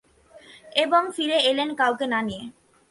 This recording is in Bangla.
এবং ফিরে এলেন কাউকে না নিয়ে।